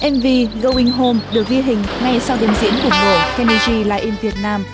mv going home được vi hình ngay sau đồng diễn của mùa kenny g live in việt nam